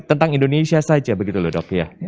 tentang indonesia saja begitu loh dok ya